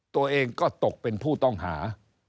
ตัวเองก็ตกเป็นผู้ต้องหา